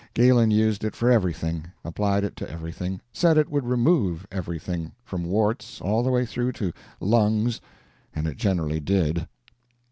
Galen used it for everything, applied it to everything, said it would remove everything, from warts all the way through to lungs and it generally did.